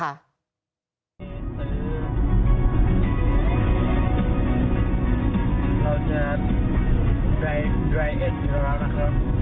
เราจะดรายดรายเอ็ดที่พวกเรานะครับ